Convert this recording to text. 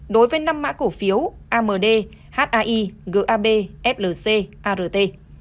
đối với năm mã cổ phiếu amd haii gab flc art